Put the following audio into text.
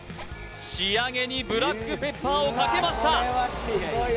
仕上げにブラックペッパーをかけました